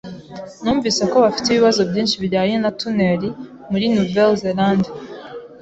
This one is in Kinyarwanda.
Numvise ko bafite ibibazo byinshi bijyanye na tunel muri Nouvelle-Zélande.